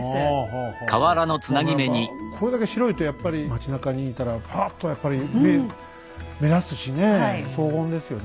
まあでもやっぱこれだけ白いとやっぱり町なかにいたらパッとやっぱりねえ目立つしね荘厳ですよね。